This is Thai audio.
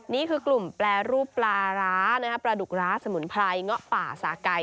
นี่คือกลุ่มแปรรูปปลาร้าปลาดุกร้าสมุนไพรเงาะป่าสาไก่